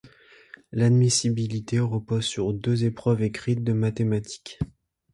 L'admissibilité repose sur deux épreuves écrites de mathématiques.